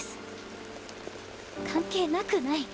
関係なくない。